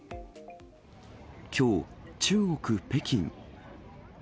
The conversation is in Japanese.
きょう、中国・北京。